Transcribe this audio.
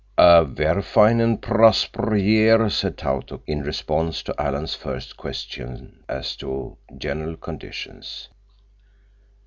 "A ver' fine and prosper' year," said Tautuk in response to Alan's first question as to general conditions.